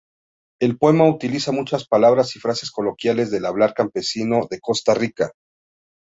El poema utiliza muchas palabras y frases coloquiales del hablar campesino de Costa Rica.